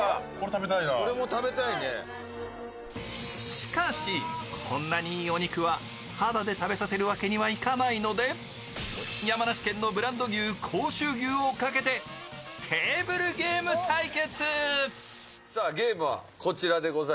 しかし、こんなにいいお肉はただで食べさせるわけにはいかないので、山梨県のブランド牛甲州牛をかけてテーブルゲーム対決。